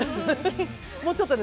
もうちょっとでね